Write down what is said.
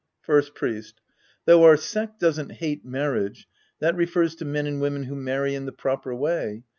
First Priest. Though our sect doesn't hate mar riage, that refers to men and women who marry in the proper way.